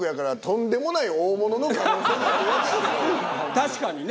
確かにね。